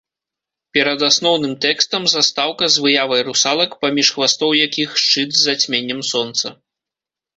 Перад асноўным тэкстам застаўка з выявай русалак, паміж хвастоў якіх шчыт з зацьменнем сонца.